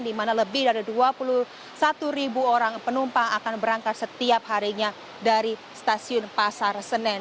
di mana lebih dari dua puluh satu ribu orang penumpang akan berangkat setiap harinya dari stasiun pasar senen